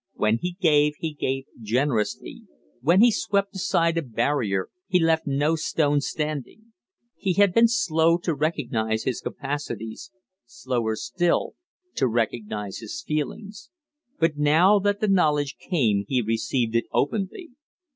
When he gave, he gave generously; when he swept aside a barrier he left no stone standing. He had been slow to recognize his capacities slower still to recognize his feelings. But now that the knowledge came he received it openly.